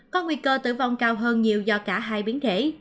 có nguy cơ tử vong cao hơn nhiều do cả hai biến thể